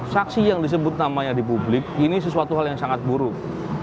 saksi yang disebut namanya di publik ini sesuatu hal yang sangat buruk